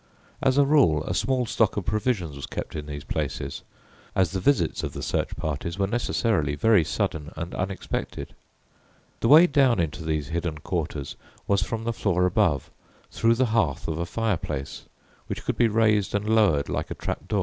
As a rule, a small stock of provisions was kept in these places, as the visits of the search parties were necessarily very sudden and unexpected. The way down into these hidden quarters was from the floor above, through the hearth of a fireplace, which could be raised an lowered like a trap door.